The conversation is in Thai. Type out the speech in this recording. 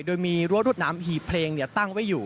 โดยมีรั้วรวดน้ำหีบเพลงตั้งไว้อยู่